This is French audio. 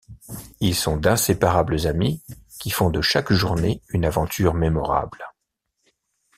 Ils sont d’inséparables amis qui font de chaque journée une aventure mémorable.